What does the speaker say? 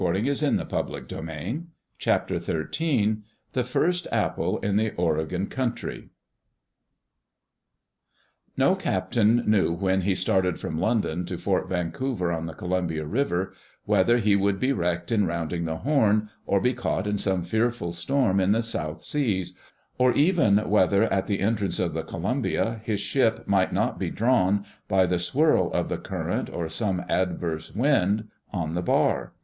*' n } Digitized by VjOOQ IC CHAPTER XIII THE FIRST APPLE IN THE OREGON COUNTRY NO captain knew when he started from London to Fort Vancouver on the Columbia River whether he would be wrecked in rounding the Horn, or be caught in some fearful storm in the South Seas; or even whether, at the entrance of the Columbia, his ship might not be drawn, by the swirl of the current or some adverse wind, on the bar.